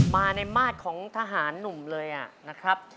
มาในมาตรของทหารหนุ่มเลยนะครับ